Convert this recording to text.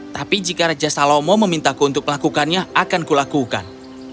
tapi jika raja salomo memintaku untuk melakukannya akan kulakukan